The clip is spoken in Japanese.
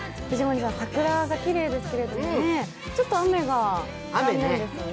桜がきれいですけれども、ちょっと雨が残念ですね。